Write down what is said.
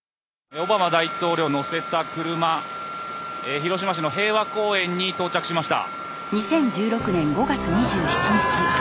オバマ大統領を乗せた車広島市の平和公園に到着しました。